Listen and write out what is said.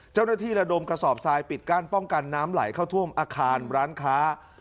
ระดมกระสอบทรายปิดกั้นป้องกันน้ำไหลเข้าท่วมอาคารร้านค้า